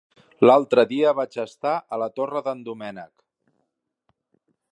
L'altre dia vaig estar a la Torre d'en Doménec.